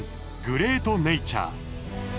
グレートネイチャー」。